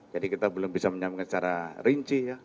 jadi kita belum bisa menyambung secara rinci ya